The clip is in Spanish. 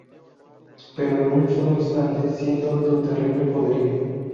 Pero en un solo instante, siento tu terrible poderío.